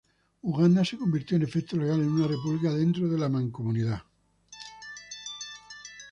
Uganda se convirtió, a efectos legales, en una república dentro de la Mancomunidad.